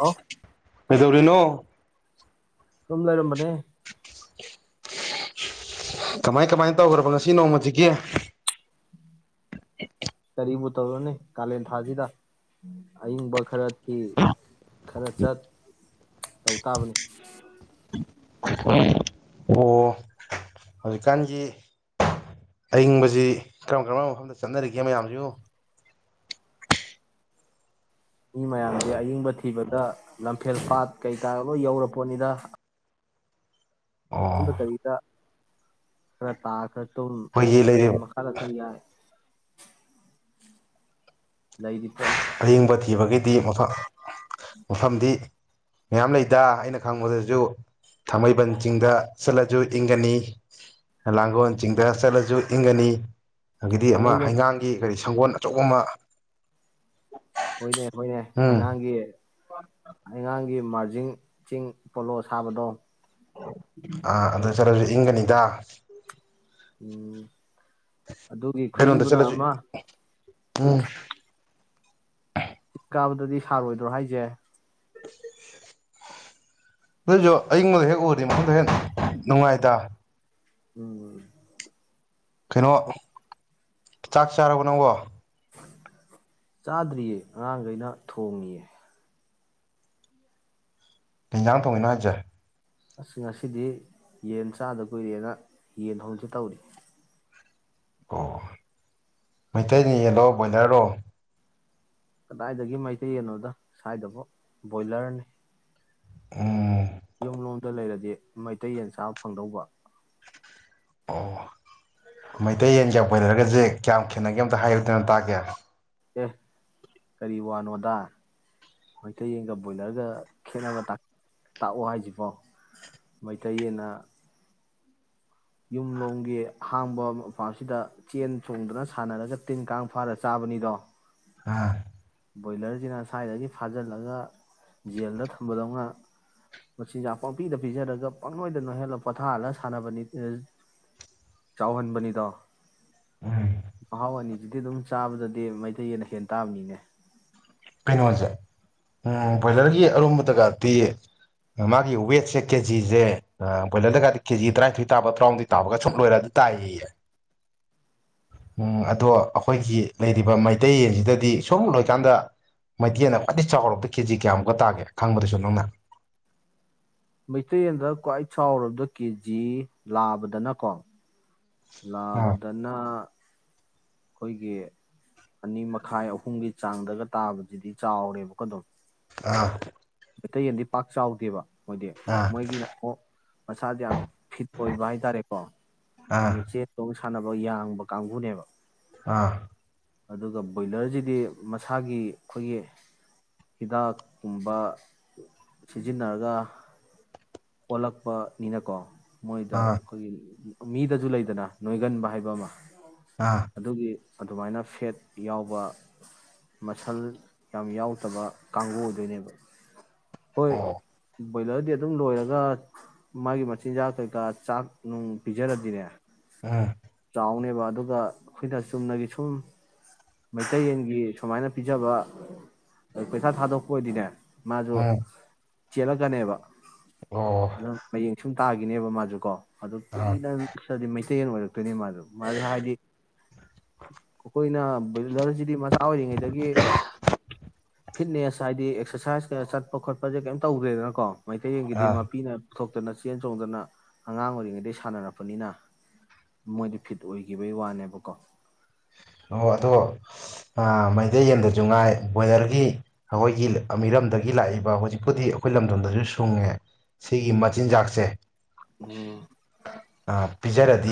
ꯍꯥꯎ ꯀꯩꯗꯧꯔꯤꯅꯣ ꯁꯨꯝ ꯂꯩꯔꯝꯕꯅꯦ ꯀꯃꯥꯏ ꯀꯃꯥꯏ ꯇꯧꯒ꯭ꯔꯕ ꯉꯁꯤ ꯅꯣꯡꯃꯖꯤꯒꯤ ꯀꯩꯕꯨ ꯇꯧꯔꯨꯅꯤ ꯀꯥꯂꯦꯟ ꯊꯥꯁꯤꯗ ꯑꯏꯪꯕ ꯈꯔ ꯐꯤ ꯈꯔ ꯆꯠ ꯇꯧ ꯇꯥꯕꯅꯤ ꯑꯣ ꯍꯧꯖꯤꯛꯀꯥꯟꯒꯤ ꯑꯏꯪꯕꯁꯤ ꯀꯔꯝ ꯀꯔꯝꯕ ꯃꯐꯝꯗ ꯆꯠꯅꯔꯤꯒꯦ ꯃꯌꯥꯝꯖꯤꯕꯨ ꯃꯤ ꯃꯌꯥꯝꯁꯦ ꯑꯌꯤꯡꯕ ꯊꯤꯕꯗ ꯂꯝꯐꯦꯜ ꯄꯥꯠ ꯀꯩꯀꯥ ꯂꯣꯏ ꯌꯧꯔꯄꯣꯠꯅꯤꯗ ꯑꯣ ꯗ ꯀꯔꯤꯗ ꯈꯔ ꯇꯥ ꯈꯔ ꯇꯨꯝ ꯑꯩꯈꯣꯏꯒꯤ ꯐꯦꯟ ꯂꯩꯔꯤꯕ ꯃꯈꯥꯗ ꯈꯔ ꯌꯥꯏ ꯂꯩꯏꯗꯤ ꯑꯌꯤꯡꯕ ꯊꯤꯕꯒꯤ ꯗꯤ ꯃꯐꯝ ꯃꯐꯝꯗꯤ ꯃꯌꯥꯝ ꯂꯩꯗ ꯑꯩꯅ ꯈꯪꯕꯗꯁꯨ ꯊꯥꯡꯃꯩꯕꯟ ꯆꯤꯡꯗ ꯆꯠꯂꯁꯨ ꯏꯪꯒꯅꯤ ꯂꯥꯡꯒꯣꯜ ꯆꯤꯡꯗ ꯆꯠꯂꯁꯨ ꯏꯪꯒꯅꯤ ꯑꯒꯤꯗꯤ ꯑꯃ ꯊꯥꯡꯃꯩꯕ ꯍꯩꯉꯥꯡꯒꯤ ꯀꯔꯤꯁ ꯁꯪꯒꯣꯜ ꯑꯆꯧꯕ ꯑꯃ ꯍꯣꯏꯅꯦ ꯍꯣꯏꯅꯦ ꯎꯝ ꯍꯉꯥꯡꯒꯤ ꯍꯩꯉꯥꯡ ꯒꯤ ꯃꯥꯔꯖꯤꯡ ꯆꯤꯡ ꯄꯣꯂꯣ ꯁꯥꯕꯗꯣ ꯑꯥ ꯑꯗꯨ ꯆꯠꯂꯁꯨ ꯏꯪꯒꯅꯤꯗ ꯎꯝ ꯑꯗꯨꯒꯤ ꯀꯩꯅꯣꯗ ꯈꯨꯌꯤꯡꯗꯨꯅ ꯆꯠꯂꯨꯁꯤ ꯑꯃ ꯎ ꯆꯤꯡ ꯀꯥꯕꯗꯗꯤ ꯁꯥꯔꯣꯏꯗ꯭ꯔꯣ ꯍꯥꯏꯁꯦ ꯗꯣꯢꯖꯨ ꯑꯏꯪꯕꯗ ꯍꯦꯛ ꯃꯗꯅꯨꯡꯉꯥꯏ ꯗ ꯎꯝ ꯀꯩꯅꯣ ꯆꯥꯛ ꯆꯥꯔꯕꯣ ꯅꯪꯕꯣ ꯆꯥꯗ꯭ꯔꯤꯌꯦ ꯑꯉꯥꯡꯈꯩꯅ ꯊꯣꯡꯉꯤꯌꯦ ꯀꯩꯖꯥꯡ ꯊꯣꯡꯉꯤꯅꯣ ꯍꯥꯏꯖꯦ ꯑꯁ ꯉꯁꯤꯗꯤ ꯌꯦꯟ ꯆꯥꯗ ꯀꯨꯏꯔꯦꯅ ꯌꯦꯟ ꯇꯧꯁꯤ ꯇꯧꯔꯤ ꯑꯣ ꯃꯩꯇꯩꯅꯤ ꯌꯦꯜꯂꯣ ꯕꯣꯏꯂꯔꯣ ꯀꯗꯥꯏꯗꯒꯤ ꯃꯩꯇꯩꯌꯦꯅꯣꯗ ꯁ꯭ꯋꯥꯏꯗꯕꯨ ꯕꯣꯏꯂꯔꯅꯤ ꯑꯣ ꯌꯨꯝꯂꯣꯝꯗ ꯂꯩꯔꯗꯤ ꯃꯩꯇꯩ ꯌꯦꯟꯆꯥ ꯐꯪꯗꯧꯕ ꯑꯣ ꯃꯩꯇꯩ ꯌꯦꯟꯒ ꯕꯣꯢꯂꯔꯒꯁꯦ ꯀꯌꯥꯝ ꯈꯦꯠꯅꯒꯦ ꯑꯝꯇ ꯍꯥꯏꯌꯨꯗꯅ ꯑꯝꯇ ꯇꯥꯒꯦ ꯑꯦ ꯀꯔꯤ ꯋꯥꯅꯣꯗ ꯃꯩꯇꯩꯌꯦꯟꯒ ꯕꯣꯏꯂꯔꯒ ꯈꯦꯅꯕ ꯇꯥꯛꯑꯣ ꯍꯥꯏꯁꯤꯕꯣ ꯃꯩꯇꯩꯌꯦꯅ ꯌꯨꯝꯂꯣꯝꯒꯤ ꯑꯍꯥꯡꯕ ꯃꯄꯥꯁꯤꯗ ꯆꯦꯟ ꯆꯣꯡꯗꯨꯅ ꯁꯥꯟꯅꯔꯒ ꯇꯤꯟ ꯀꯥꯡ ꯐꯥꯔ ꯆꯥꯕꯅꯤꯗꯣ ꯑꯥ ꯕꯣꯏꯂꯔꯁꯤꯅ ꯁ꯭ꯋꯥꯏꯗꯒꯤ ꯐꯥꯖꯤꯜꯂꯒ ꯖꯦꯜꯗ ꯊꯝꯕꯗꯧꯅ ꯃꯆꯤꯟꯖꯥꯛ ꯄꯥꯄꯤꯗ ꯄꯤꯖꯔꯒ ꯄꯪꯂꯣꯏꯗꯅ ꯍꯦꯜꯂꯒ ꯄꯣꯊꯥꯍꯜꯂꯒ ꯁꯥꯟꯅꯕꯅꯤ ꯆꯥꯎꯍꯟꯕꯅꯤꯗꯣ ꯎꯝ ꯍꯥꯎꯋꯥꯅꯤ ꯍꯧꯖꯤꯛꯇꯤ ꯑꯗꯨꯝ ꯆꯥꯕꯗꯗꯤ ꯃꯩꯇꯩꯅ ꯍꯦꯟꯟꯅ ꯇꯥꯕꯅꯤꯅꯦ ꯀꯩꯅꯣꯁꯦ ꯎꯝ ꯕꯣꯏꯂꯔꯒꯤ ꯑꯔꯨꯝꯕꯗꯒꯗꯤ ꯃꯥꯒꯤ ꯋꯦꯠꯁꯦ ꯀꯦꯖꯤꯁꯦ ꯕꯣꯏꯂꯔꯗꯒꯗꯤ ꯀꯦꯖꯤ ꯇꯔꯥꯅꯤꯊꯣꯏ ꯇꯥꯕ ꯇꯔꯥꯍꯨꯝꯗꯣꯏ ꯇꯥꯕꯒ ꯁ ꯂꯣꯏꯔ ꯑꯗꯨ ꯇꯥꯏꯌꯦꯌꯦ ꯎꯝ ꯑꯗꯣ ꯑꯩꯈꯣꯏꯒꯤ ꯂꯩꯔꯤꯕ ꯃꯩꯇꯩ ꯌꯦꯟꯁꯤꯗꯗꯤ ꯁꯨꯝ ꯂꯣꯏꯀꯥꯟꯗ ꯃꯩꯇꯩꯅ ꯈ꯭ꯋꯥꯏꯗꯒꯤ ꯆꯥꯎꯔꯕꯗ ꯀꯦꯖꯤ ꯀꯌꯥꯃꯨꯛꯀ ꯇꯥꯒꯦ ꯈꯪꯕꯗꯨꯁꯨ ꯅꯪꯅ ꯃꯩꯇꯩꯗ ꯈ꯭ꯋꯥꯏ ꯆꯥꯎꯔꯕꯗ ꯀꯦ ꯖꯤ ꯂꯥꯕꯗꯅꯀꯣ ꯑꯥ ꯂꯥꯕꯗꯅ ꯑꯩꯈꯣꯏ ꯒꯤ ꯑꯅꯤ ꯃꯈꯥꯏ ꯑꯍꯨꯝꯒꯤ ꯆꯥꯡꯗꯒ ꯇꯥꯗꯨꯗꯤ ꯆꯥꯎꯔꯦꯕꯀ ꯑꯗꯨꯝ ꯑꯥ ꯃꯩꯇꯩ ꯌꯦꯟꯗꯤ ꯄꯥꯛ ꯆꯥꯎꯗꯦꯕ ꯗꯤ ꯑꯥ ꯃꯣꯏꯒꯤꯅ ꯃꯁꯥꯗ ꯌꯥꯝ ꯐꯤꯠ ꯑꯣꯏꯕ ꯍꯥꯏꯇꯥꯔꯦꯀꯣ ꯑꯥ ꯑꯗꯨ ꯆ ꯇꯧꯕ ꯁꯥꯟꯅꯕ ꯌꯥꯡꯕ ꯀꯥꯡꯕꯨꯅꯦꯕ ꯑꯥ ꯑꯗꯨꯒ ꯕꯣꯏꯂꯔꯁꯤꯗꯤ ꯃꯁꯥꯒꯤ ꯑꯩꯈꯣꯏꯒꯤ ꯍꯤꯗꯥꯛꯀꯨꯝꯕ ꯁꯤꯖꯤꯟꯅꯔꯒ ꯑꯣꯜꯂꯛꯄꯅꯤꯅꯀꯣ ꯃꯣꯏꯗ ꯑꯥ ꯑꯩꯈꯣꯏꯒꯤ ꯃꯤꯗꯁꯨ ꯂꯩꯗꯅ ꯅꯣꯏꯒꯟꯕ ꯍꯥꯏꯕ ꯑꯃ ꯑꯥ ꯑꯗꯨꯒꯤ ꯑꯗꯨꯃꯥꯏꯅ ꯐꯦꯠ ꯌꯥꯎꯕ ꯃꯁꯜ ꯌꯥꯝ ꯌꯥꯎꯗꯕ ꯀꯥꯡꯕꯨ ꯑꯣꯏꯗꯣꯏꯅꯦꯕ ꯑ ꯣꯏꯂꯔꯗꯤ ꯑꯗꯨꯝ ꯂꯣꯏꯔꯦ ꯈ ꯃꯥꯒꯤ ꯃꯆꯤꯟꯖꯥꯛ ꯀꯩꯀꯥ ꯆꯥꯛ ꯅꯨꯡ ꯄꯤꯖꯔꯗꯤꯅꯦ ꯎꯝ ꯐꯥꯎꯅꯦꯕ ꯑꯗꯨꯒ ꯑꯩꯈꯣꯏꯅ ꯆꯨꯝꯅꯒꯤ ꯁꯨꯝ ꯃꯩꯇꯩꯌꯦꯟꯒꯤ ꯁꯨꯃꯥꯏꯅ ꯄꯤꯖꯕ ꯄꯩꯁꯥ ꯊꯥꯗꯣꯛꯄ ꯑꯣꯏꯗꯤꯅꯦ ꯃꯥꯁꯨꯣ ꯎꯝ ꯆꯤꯂꯀꯅꯦꯕ ꯑꯣ ꯑꯗꯣ ꯍꯌꯦꯡ ꯁꯨꯝ ꯇꯥꯈꯤꯅꯦꯕ ꯃꯥꯁꯨ ꯀꯣ ꯑꯗ ꯑꯥ ꯀ ꯃ ꯑꯣꯏ ꯃꯥ ꯃꯥꯁ ꯍꯥꯏꯗꯤ ꯑꯩꯈꯣꯏꯅ ꯗꯤꯆꯥ ꯍꯧꯔꯤꯉꯩꯗꯒꯤ ꯐꯤꯠꯅꯦꯁ ꯍꯥꯏ ꯗꯤ ꯑꯦꯛꯁꯔꯁꯥꯏꯖ ꯒꯥ ꯆ꯭ꯇꯄꯥ ꯈꯣꯠꯄꯥ ꯒꯥ ꯀꯦꯏꯝ ꯇ꯭ꯕꯗ꯭ꯔꯦ ꯀꯣ꯫ ꯃꯩꯇꯩꯒꯤꯗꯤ ꯑꯥ ꯃꯄꯤꯅ ꯄꯨꯊꯣꯛꯇꯅ ꯆꯦꯟ ꯆꯣꯡꯗꯅ ꯑꯉꯥꯡ ꯑꯣꯏꯔꯤꯉꯩꯗꯒꯤ ꯁꯥꯟꯅꯔꯛꯄꯅꯤꯅ ꯃꯣꯏꯗꯤ ꯐꯤꯠ ꯑꯣꯏꯈꯤꯕꯒꯤ ꯋꯥꯅꯦꯕꯀꯣ ꯑꯣ ꯑꯗꯣ ꯃꯩꯇꯩ ꯌꯦꯟꯗꯁꯨ ꯉꯥꯏ ꯕꯣꯏꯂꯔꯒꯤ ꯑꯩꯈꯣꯏꯒꯤ ꯃꯤꯔꯝꯗꯒꯤ ꯂꯥꯛꯏꯕ ꯍꯧꯖꯤꯛꯄꯨꯗꯤ ꯑꯩꯈꯣꯏ ꯂꯝꯗꯝꯗꯁꯨ ꯁꯨꯡꯉꯦ ꯁꯤꯒꯤ ꯃꯆꯤꯟꯖꯥꯛꯁꯦ ꯎꯝ ꯑꯥ ꯄꯤꯖꯥꯔꯤ ꯗ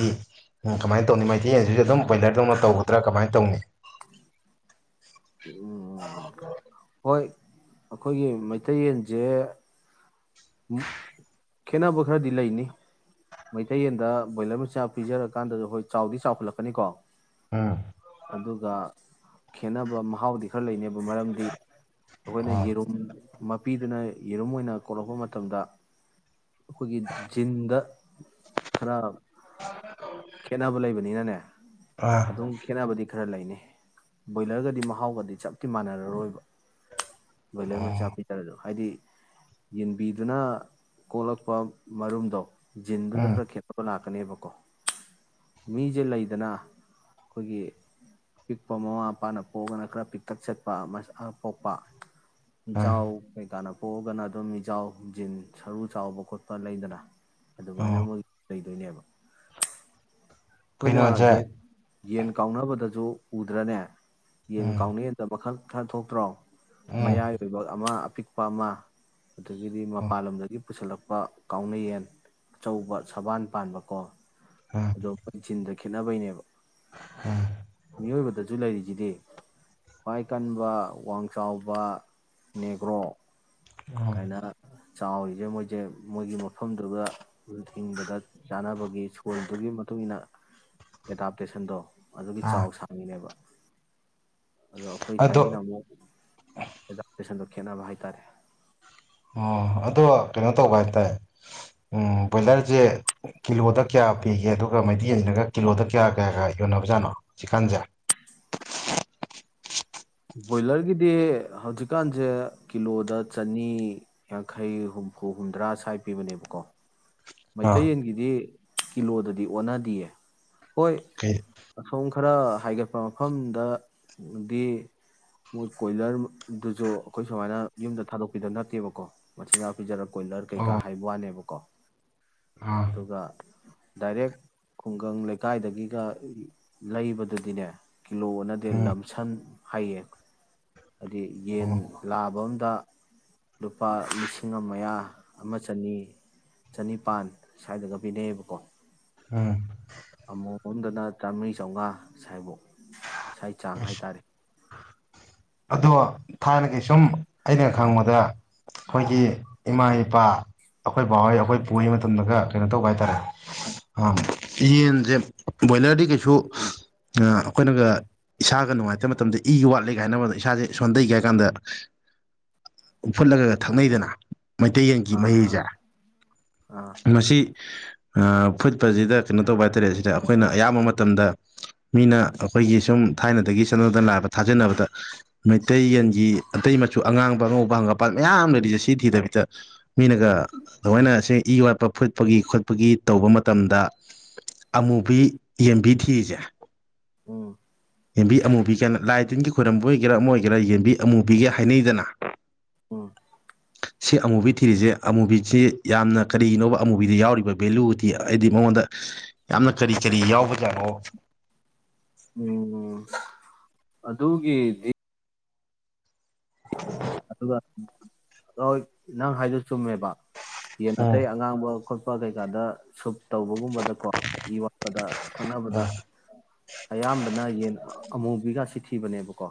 ꯎꯝ ꯀꯃꯩ ꯇ꯭ꯕꯤꯅꯤ ꯃꯦꯏꯇꯦꯏ ꯌꯦꯟ ꯁꯨ ꯑꯗꯨꯝ ꯕꯣꯏꯂꯔ ꯗ꯭ꯕꯥꯅꯥ꯫ ꯇ꯭ꯕꯒꯗ꯭ꯔ ꯀꯃꯩ ꯇ꯭ꯕꯤꯅꯤ꯫ ꯎꯝ ꯎꯝ ꯍꯣꯏ ꯑꯈꯣꯏꯒꯤ ꯃꯦꯏꯇꯦꯏ ꯌꯦꯟ ꯁꯦ꯫ ꯎꯝ ꯈꯦꯇꯅꯕꯥ ꯈ꯭ꯔꯥ ꯗꯤ ꯂꯦꯏꯅꯤ ꯃꯦꯏꯇꯦꯏ ꯌꯦꯟ ꯗꯥ ꯕꯣꯏꯂꯔ ꯃꯆꯤꯟ ꯆꯥꯛ ꯄꯤꯖꯥꯔꯥ ꯀ꯭ꯟꯗꯥ ꯁꯨ ꯍꯣꯏ ꯆ꯭ꯋ ꯗ ꯆ꯭ꯋ꯭ꯈꯇꯂꯀꯅꯤ ꯀꯣ꯫ ꯎꯝ ꯑꯗꯨꯒ ꯈꯦꯅꯕꯥ ꯃꯥꯍꯋ ꯗꯤ ꯈ꯭ꯔꯥ ꯂꯦꯏꯅꯤ꯫ ꯃꯔꯥꯝ ꯗꯤ ꯑꯈꯣꯏ ꯅ ꯑꯣ ꯌꯦꯔꯨꯝ꯫ ꯃꯄꯤꯗꯨꯅꯥ ꯌꯦꯔꯨꯝ ꯑꯣꯏꯅꯥ ꯀꯣꯂꯀꯄꯥ ꯃꯥ꯫ ꯇꯨꯃꯗꯥ ꯑꯈꯣꯏ ꯒꯤ ꯖꯤꯅꯦ ꯗꯥ ꯈ꯭ꯔꯥ꯫ ꯈꯦꯅꯕꯥ ꯂꯦꯏꯕꯥꯅꯤꯅꯥ ꯅꯦ꯫ ꯑꯥ ꯑꯗꯨꯝ ꯈꯦꯅꯥꯕꯥ ꯗꯤ ꯈ꯭ꯔꯥ ꯂꯦꯏꯅꯤ ꯕꯣꯏꯂꯔ ꯒꯥ ꯗꯤ ꯃꯥꯍꯑꯣ ꯆꯞ ꯗꯤ ꯃꯅꯥꯔꯣꯏ꯫ ꯕꯣꯏꯂꯔ ꯑꯣ ꯃꯆꯥ ꯄꯤꯗꯔꯗꯣ ꯍꯥꯏꯗꯤ ꯌꯦꯟ꯫ ꯄꯤꯗꯨꯅ ꯀꯣꯛꯂꯛꯄ ꯃꯔꯨꯝꯗꯣ ꯖꯤꯟ ꯗꯨꯗꯥ ꯎꯝ ꯈ꯭ꯔꯥ ꯈꯦꯇꯅꯕꯥ ꯂꯛꯅꯤ꯫ ꯂꯥꯛꯀꯅꯦꯕꯀꯣ ꯃꯤꯁꯦ ꯂꯩꯗꯅ ꯑꯩꯈꯣꯏꯒꯤ ꯑ ꯄꯤꯛꯄ ꯃꯃꯥ ꯃꯄꯥꯅ ꯄꯣꯛꯑꯒꯅ ꯈꯔ ꯄꯤꯛꯇꯠ ꯆꯠꯄ ꯄꯣꯛꯄ ꯑꯥ ꯌꯥꯎ ꯀ ꯀꯥꯟ ꯄꯣꯛꯑꯒꯅ ꯑꯗꯨꯝ ꯏꯖꯥꯎ ꯖꯤꯟ ꯁꯥꯔꯨ ꯆꯥꯑꯣꯕꯥ ꯈꯣꯇꯥ ꯂꯦꯏꯗꯅꯥ꯫ ꯑꯗꯨꯃꯥꯏꯅꯥ ꯑꯣ ꯃꯣꯏ ꯂꯦꯏ꯫ ꯊꯅꯤꯕ ꯑꯩꯈꯣꯏꯅ ꯀꯩꯅꯣꯁꯦ ꯌꯦꯟ ꯌꯦꯟ ꯀꯥꯎꯅꯕꯗꯁꯨ ꯎꯗ꯭ꯔꯥꯅꯦ꯫ ꯌꯦꯟ ꯎꯝ ꯀꯥꯎꯅꯌꯦꯗ ꯃꯈꯜ ꯊꯥ ꯊꯣꯛꯣꯛꯇ꯭ꯔꯣ ꯎꯝ ꯃꯌꯥꯏ ꯑꯣꯏꯕ ꯑꯃ ꯄꯤꯛꯄꯥ ꯑꯥꯃꯥ꯫ ꯑꯗꯨꯗꯥꯒꯤ ꯗ ꯑꯣ ꯃꯥꯅꯆꯤꯡ ꯂꯃꯗꯥꯒꯤ꯫ ꯄꯨꯁꯤꯜꯂꯛꯄ ꯀꯥꯎꯅꯌꯦꯟ ꯑꯆꯧꯕ ꯁꯕꯥꯟ ꯄꯥꯟꯕꯀꯣ ꯑꯥ ꯑꯗꯨꯗꯣꯄꯟ ꯆꯤꯟꯒꯤ ꯈꯦꯠꯅꯕꯩꯅꯦꯕ ꯃꯤꯑꯣꯏꯕꯗꯁꯨ ꯂꯩꯔꯤꯁꯤꯗꯤ ꯈ꯭ꯋꯥꯏ ꯀꯟꯕ ꯋꯥꯡ ꯆꯥꯎꯕ ꯅꯦꯒ꯭ꯔꯣ ꯑꯣ ꯀꯥꯏꯅ ꯆꯥꯎꯔꯤꯁꯦ ꯃꯣꯏꯁꯦ ꯃꯣꯏꯒꯤ ꯃꯐꯝꯗꯨꯗ ꯊꯤꯡꯕꯗ ꯆꯥꯅꯕꯒꯤ ꯁ꯭ꯀꯨꯜꯗꯨꯒꯤ ꯃꯇꯨꯡ ꯏ ꯃꯇꯨꯡꯏꯟꯅ ꯑꯦꯗꯥꯞꯇꯦꯁꯟꯗꯣ ꯑꯗꯨꯒꯤ ꯆꯥꯎ ꯑꯥ ꯁꯥꯡꯉꯤꯅꯦꯕ ꯑꯗꯣ ꯑꯩꯈꯣꯏ ꯑꯗꯣ ꯊꯥꯏꯒꯤꯅ ꯑꯃꯨꯛ ꯍꯥꯛꯁꯟ ꯈꯦꯠꯅꯕ ꯍꯥꯏꯇꯥꯔꯦ ꯑꯣ ꯑꯗꯣ ꯀꯩꯅꯣ ꯇꯧꯕ ꯍꯥꯏ ꯇꯔꯦ ꯕꯣꯏꯂꯔꯁꯦ ꯀꯤꯂꯣꯗ ꯀꯌꯥ ꯄꯤꯒꯦ ꯑꯗꯨꯒ ꯃꯩꯇꯩꯁꯤꯅꯒ ꯀꯤꯂꯣꯗ ꯀꯌꯥ ꯀꯌꯥ ꯀꯌꯥ ꯌꯣꯟꯅꯕꯖꯥꯠꯅꯣ ꯆꯤꯛꯀꯟꯁꯦ ꯕꯣꯏꯂꯔꯒꯤꯗꯤ ꯍꯧꯖꯤꯛꯀꯥꯟꯁꯦ ꯀꯤꯂꯣꯗ ꯆꯅꯤ ꯌꯥꯡꯈꯩ ꯍꯨꯝꯐꯨ ꯍꯨꯝꯗ꯭ꯔꯥ ꯁ꯭ꯋꯥꯏ ꯄꯤꯕꯅꯦꯕꯀꯣ ꯑꯥ ꯃꯩꯇꯩꯌꯦꯟꯒꯤꯗꯤ ꯀꯤꯂꯣꯗꯗꯤ ꯑꯣꯟꯅꯗꯤꯌꯦ ꯍꯣꯏ ꯀꯩ ꯈꯔ ꯍꯥꯏꯒꯠꯄ ꯃꯐꯝꯗꯗꯤ ꯃꯣꯏ ꯀꯣꯏꯂꯔꯗꯨꯁꯨ ꯑꯩꯈꯣꯏ ꯁꯨꯃꯥꯏꯅ ꯌꯨꯝꯗ ꯊꯥꯗꯣꯛꯄꯤꯗꯕ ꯅꯠꯇꯦꯕꯀꯣ ꯃꯆꯤꯟꯖꯥꯛ ꯄꯤꯖꯔꯛ ꯀꯣꯏꯂꯔ ꯀꯩꯀꯥ ꯑꯣ ꯍꯥꯏꯕ ꯋꯥꯅꯦꯕꯀꯣ ꯑꯥ ꯑꯗꯨꯒ ꯗꯥꯏꯔꯦꯛ ꯈꯨꯡꯒꯪ ꯂꯩꯀꯥꯏꯗꯒꯤꯒ ꯂꯩꯕꯗꯗꯤꯅꯦ ꯀꯤꯂꯣꯅꯗꯦ ꯎꯝ ꯂꯝꯁꯟ ꯍꯥꯏꯡ ꯍꯥꯏꯗꯤ ꯌꯦꯟ ꯑꯣ ꯂꯥꯕ ꯑꯃ ꯗ ꯂꯨꯄꯥ ꯂꯤꯁꯤꯡ ꯑꯃ ꯑꯃ ꯆꯅꯤ ꯆ ꯃꯄꯥꯟ ꯁ꯭ꯋꯥꯏꯗꯒ ꯄꯤꯅꯩꯌꯦꯕꯀꯣ ꯎꯝ ꯑꯃꯨꯛꯣꯝꯗꯅ ꯆꯥꯝꯃꯔꯤ ꯆꯥꯝꯃꯉꯥ ꯁꯥꯏꯐꯧ ꯏꯁ ꯆꯥꯡ ꯑꯁ ꯍꯥꯏꯇꯥꯔꯦ ꯑꯗꯣ ꯊꯥꯏꯅꯒꯤꯩꯁꯨꯝ ꯑꯩꯅ ꯈꯪꯕꯗ ꯑꯩꯈꯣꯏꯒꯤ ꯏꯃꯥ ꯏꯄꯥ ꯑꯩꯈꯣꯏ ꯕꯥꯥꯎꯍꯩ ꯑꯩꯈꯣꯏ ꯄꯨꯔꯤ ꯃꯇꯝꯗꯒ ꯀꯩꯅꯣ ꯇꯧꯕ ꯍꯥꯏ ꯇꯔꯦ ꯌꯦꯟꯁꯦ ꯕꯣꯏꯂꯔꯗꯤ ꯀꯩꯁꯨ ꯑꯩꯈꯣꯏꯅꯒ ꯏꯁꯥꯒ ꯅꯨꯡꯉꯥꯏꯇꯕ ꯃꯇꯝꯗ ꯏ ꯋꯥꯠꯂꯦ ꯀꯥꯏꯅꯕꯗ ꯏꯁꯥꯁꯦ ꯁꯣꯟꯊꯩꯒ ꯍꯥꯏ ꯀꯥꯟꯗ ꯐꯨꯠꯂꯒ ꯊꯛꯅꯩꯗꯅ ꯃꯩꯇꯩꯌꯦꯟꯒꯤ ꯑꯥ ꯑꯥ ꯃꯍꯩꯤꯁꯦ ꯑꯥ ꯃꯁꯤ ꯐꯨꯠꯄꯁꯤꯗ ꯀꯩꯅꯣ ꯇꯧꯕ ꯍꯥꯏꯇꯥꯔꯦ ꯁꯤꯗ ꯑꯩꯈꯣꯏꯅ ꯑꯌꯥꯝꯕ ꯃꯇꯝꯗ ꯃꯤꯅ ꯑꯩꯈꯣꯏꯒꯤ ꯁꯨꯝ ꯊꯥꯏꯅꯗꯒꯤ ꯆꯠꯅꯗꯅ ꯂꯥꯛꯕ ꯊꯥꯖꯕꯗ ꯃꯩꯇꯩ ꯌꯦꯟꯒꯤ ꯑꯇꯩ ꯃꯆꯨ ꯑꯉꯥꯡꯕ ꯑꯉꯧꯕ ꯍꯪꯒꯄꯥ ꯃꯌꯥꯝ ꯂꯩꯔꯤꯁꯦ ꯁꯤ ꯊꯤꯗꯕꯤꯗ ꯃꯤꯅꯒ ꯂꯃꯣꯏꯅ ꯁꯦꯡ ꯏ ꯋꯥꯠꯄ ꯐꯨꯠꯄꯒꯤ ꯈꯣꯠꯄꯒꯤ ꯇꯧꯕ ꯃꯇꯝꯗ ꯑꯃꯨꯕꯤ ꯌꯦꯟꯕꯤ ꯊꯤꯔꯤꯁꯦ ꯎ ꯌꯦꯟꯕꯤ ꯑꯃꯨꯕꯤꯒꯦꯅ ꯂꯥꯏ ꯇꯤꯟꯒꯤ ꯈꯣꯏꯔꯝꯕ ꯑꯣꯏꯒꯦꯔꯥ ꯑꯃ ꯑꯣꯏꯒꯦꯔꯥ ꯌꯦꯟꯕꯤ ꯑꯃꯨꯕꯤꯒꯦ ꯍꯥꯏꯅꯩꯗꯅ ꯎꯝ ꯁꯤ ꯑꯃꯨꯕꯤ ꯊꯤꯔꯤꯁꯦ ꯑꯃꯨꯕꯤꯁꯤ ꯌꯥꯝꯅ ꯀꯔꯤꯅꯣꯕ ꯑꯃꯨꯕꯤꯗ ꯌꯥꯎꯔꯤꯕ ꯚꯦꯂꯨꯗꯤ ꯍꯥꯏꯗꯤ ꯃꯉꯣꯟꯗ ꯌꯥꯝꯅ ꯀꯔꯤ ꯀꯔꯤ ꯌꯥꯎꯕ ꯌꯥꯥꯅꯣ ꯎꯝ ꯑꯗꯨꯒꯤꯗꯤ ꯑꯗꯨꯒ ꯍꯣꯏ ꯅꯪ ꯍꯥꯏꯗ ꯆꯨꯝꯃꯦꯕ ꯌꯦ ꯅ ꯎꯝ ꯑꯉꯥꯡ ꯁꯄꯥ ꯀꯩꯀꯥꯗ ꯁꯨꯞ ꯇꯧꯕꯒꯨꯝꯕꯗꯀꯣ ꯏ ꯋꯥꯠꯄꯗ ꯊꯛꯅꯕꯗ ꯎꯝ ꯑꯌꯥꯝꯕꯅ ꯌꯦꯟ ꯑꯃꯨꯕꯤꯒ ꯁꯤꯤꯊꯤꯕꯅꯦꯕꯀꯣ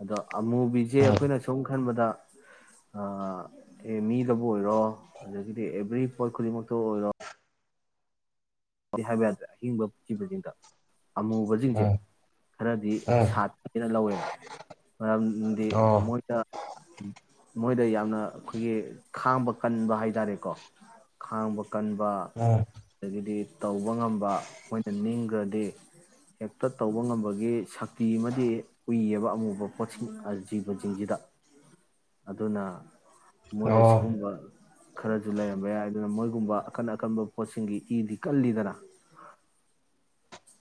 ꯑꯗ ꯃꯨꯕꯤꯁꯦ ꯑꯩꯈꯣꯏꯅ ꯑ ꯈꯟꯕꯗ ꯑꯦ ꯃꯤꯗꯕꯨ ꯑꯣꯏꯔꯣ ꯑꯗꯒꯤꯗꯤ ꯑꯦꯕ꯭ꯔꯤ ꯄꯣꯠ ꯈꯨꯗꯤꯡꯃꯛꯇꯕꯨ ꯑꯣꯏꯔꯣ ꯑꯗꯨ ꯍꯥꯏꯕ ꯌꯥꯗ꯭ꯔꯦ ꯑꯍꯤꯡꯕ ꯤꯕꯁꯤꯡꯗ ꯑꯃꯨꯕꯁꯤꯡꯁꯦ ꯎꯝ ꯈꯔꯗꯤ ꯁꯥꯠꯠꯇꯦꯅ ꯂꯧꯋꯦꯕ ꯃꯔꯝꯗꯤ ꯎꯝ ꯎꯝ ꯑꯣ ꯃꯣꯏꯅ ꯃꯣꯏꯗ ꯌꯥꯝꯅ ꯑꯩꯈꯣꯏꯒꯤ ꯈꯥꯡꯕ ꯀꯟꯕ ꯍꯥꯏ ꯇꯔꯦꯀꯣ ꯈꯥꯡꯕ ꯀꯟꯕ ꯎꯝ ꯑꯗꯒꯤꯗꯤ ꯇꯧꯕ ꯉꯝꯕ ꯃꯣꯏꯅ ꯅꯤꯡꯈ꯭ꯔꯗꯤ ꯍꯦꯛꯇ ꯇꯧꯕ ꯉꯝꯕꯒꯤ ꯁꯛꯇꯤ ꯑꯃꯗꯤ ꯎꯏꯌꯦꯕ ꯑꯃꯨꯕ ꯄꯣꯠꯁꯤꯡ ꯖꯤꯕꯁꯤꯡꯁꯤꯗ ꯑꯗꯨꯅ ꯃꯣꯏ ꯑꯣ ꯑꯁꯤꯒꯨꯝꯕ ꯈꯔꯁꯨ ꯂꯩꯔꯝꯕ ꯌꯥꯏ ꯑꯗꯨꯅ ꯃꯣꯏ ꯨꯝꯕ ꯑꯀꯟ ꯑꯀꯟꯕ ꯄꯣꯠꯁꯤꯡꯒꯤ ꯏꯗꯤ ꯀꯜꯂꯤ ꯇꯔꯥ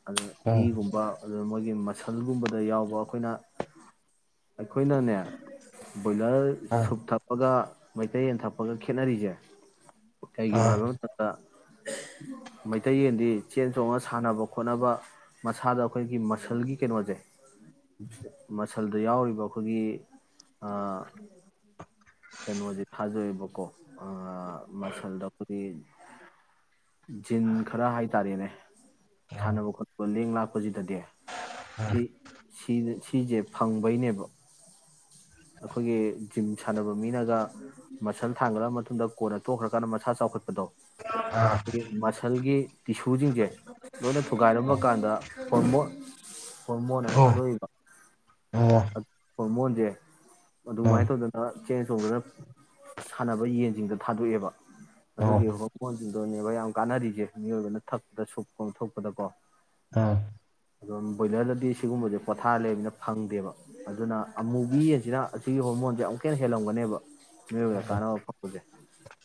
ꯑ ꯎꯝ ꯎꯝ ꯏꯒꯨꯝꯕ ꯑꯗꯨ ꯃꯣꯏꯒꯤ ꯁꯟꯒꯨꯝꯕꯗ ꯌꯥꯎꯕ ꯑꯩꯈꯣꯏꯅ ꯑꯩꯈꯣꯏꯅꯅꯦ ꯕꯣꯏꯂꯔ ꯑꯥ ꯁꯨꯞ ꯊꯛꯄꯒ ꯃꯩꯇꯩ ꯌꯦꯟ ꯊꯄꯒ ꯈꯦꯅꯔꯤꯁꯦ ꯀꯩꯒꯤꯅꯣ ꯑꯥ ꯍꯥꯏꯕ ꯃꯇꯝꯗ ꯃꯩꯇꯩ ꯌꯦꯟꯗꯤ ꯆꯦꯟ ꯆꯣꯡꯉ ꯁꯥꯟꯅꯕ ꯈꯣꯠꯅꯕ ꯃꯁꯥꯗ ꯑꯩꯈꯣꯏꯒꯤ ꯃꯁꯜꯒꯤ ꯀꯩꯅꯣꯁꯦ ꯃꯁꯜꯗ ꯌꯥꯎꯔꯤꯕ ꯑꯩꯈꯣꯏꯒꯤ ꯑ ꯀꯩꯅꯣꯗꯤ ꯊꯥꯗꯣꯑꯦꯕꯀꯣ ꯑ ꯑ ꯃꯁꯜꯗꯕꯨꯗꯤ ꯖꯤꯟ ꯈꯔ ꯍꯥꯏꯇꯥꯔꯦꯅꯦ ꯑꯣ ꯁꯥꯟꯅꯕ ꯈꯣꯠꯅꯕ ꯂꯦꯡ ꯂꯥꯛ ꯖꯤꯗꯗꯤ ꯁꯤ ꯁꯤ ꯁꯤꯁꯦ ꯐꯪꯕꯩꯅꯦꯕ ꯑꯩꯈꯣꯏꯒꯤ ꯖꯤꯝ ꯁꯥꯟꯅꯕ ꯃꯤꯅꯒ ꯃꯁꯜ ꯊꯥꯡꯒꯠꯂꯕ ꯃꯇꯨꯡꯗ ꯀꯣꯟꯅ ꯇꯣꯛꯈ꯭ꯔꯀꯥꯟꯗ ꯃꯁꯥ ꯆꯥꯎꯈꯠꯄ ꯑꯗꯣ ꯑꯩꯈꯣꯏꯒꯤ ꯃꯁꯜꯒꯤ ꯇꯤꯁꯨꯁꯤꯡꯁꯦ ꯂꯣꯏꯅ ꯊꯨꯒꯥꯏꯔꯝꯕ ꯀꯥꯟꯗ ꯍꯣꯔꯃꯣꯟ ꯍꯣꯔꯃꯣꯟ ꯑꯃ ꯑꯣ ꯊꯥꯗꯣꯛꯏꯕ ꯑꯥ ꯑ ꯍꯣꯔꯃꯣꯟꯖꯦ ꯑꯗꯨꯃꯥꯏꯅ ꯇꯧꯗꯅ ꯆꯦꯡ ꯆꯣꯡꯗꯨꯅ ꯁꯥꯟꯅꯕ ꯌꯦꯟꯁꯤꯡꯗ ꯊꯥꯗꯣꯛꯑꯦꯕ ꯑꯣ ꯑꯗꯨꯒꯤ ꯍꯣꯔꯃꯣꯟꯖꯤ ꯑꯗꯨꯅꯦꯕ ꯌꯥꯝ ꯀꯥꯟꯅꯔꯤꯁꯦ ꯃꯤꯑꯣꯏꯕꯅ ꯊꯛꯄꯗ ꯁꯨꯞ ꯀꯣ ꯊꯣꯛꯄꯗꯀꯣ ꯑꯥ ꯑꯗꯨꯝ ꯕꯣꯏꯂꯔꯗꯗꯤ ꯁꯤꯒꯨꯝꯕꯁꯦ ꯄꯣꯊꯥ ꯂꯩꯕꯅꯤꯅ ꯐꯪꯗꯦꯕ ꯑꯗꯨꯅ ꯑꯃꯨꯕꯤ ꯌꯦꯟꯁꯤꯅ ꯑꯁꯤꯒꯤ ꯍꯣꯔꯃꯣꯟꯁꯦ ꯑꯃꯨꯛ ꯍꯦꯟꯅ ꯍꯦꯜꯂꯝꯒꯅꯦꯕ ꯃꯤꯌꯣꯢꯕꯗ ꯀꯥꯟꯅꯕ ꯐꯪꯕꯖꯦ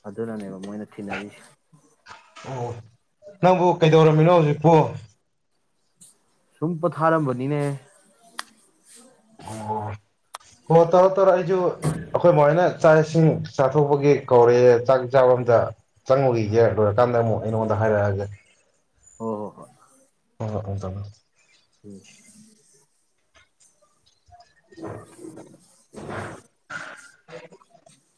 ꯑꯗꯨ ꯅꯅꯦꯕ ꯃꯣꯏꯅ ꯊꯤꯅꯔꯤ ꯑꯣ ꯅꯪꯕꯨ ꯀꯩꯗꯧꯔꯝꯃꯤꯅꯣ ꯍꯧꯖꯤꯛꯄꯨ ꯁꯨꯝ ꯄꯣꯊꯥꯔꯝꯕꯅꯤꯅꯦ ꯑꯣ ꯍꯣ ꯇꯧꯔꯣ ꯇꯧꯔꯣ ꯑꯩꯁꯨ ꯑꯩꯈꯣꯏ ꯃꯥꯍꯣꯏꯅ ꯆꯥꯛ ꯏꯁꯤꯡ ꯆꯥꯊꯣꯛꯄꯒꯤ ꯀꯧꯔꯦ ꯆꯥꯛ ꯆꯥꯕ ꯑꯝꯇ ꯆꯪꯉꯨꯒꯤꯒꯦ ꯂꯣꯏꯔꯀꯥꯟꯗ ꯑꯃꯨꯛ ꯑꯩꯉꯣꯟꯗ ꯍꯥꯏꯔꯛꯑꯒꯦ ꯍꯣꯏ ꯍꯣꯏ ꯍꯣꯏ ꯍꯣꯍꯣ ꯎꯝ [inaudible]